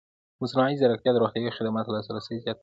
مصنوعي ځیرکتیا د روغتیايي خدماتو لاسرسی زیاتوي.